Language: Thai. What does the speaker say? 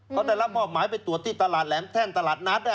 เขาได้รับมอบหมายไปตรวจที่ตลาดแหลมแท่นตลาดนัด